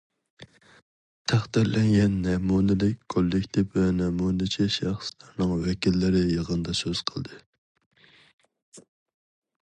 تەقدىرلەنگەن نەمۇنىلىك كوللېكتىپ ۋە نەمۇنىچى شەخسلەرنىڭ ۋەكىللىرى يىغىندا سۆز قىلدى.